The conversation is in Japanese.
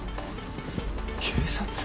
警察？